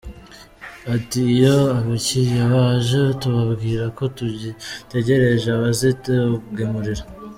Ati “Iyo abakiliya baje tubabwira ko tugitegereje abazitugemurira.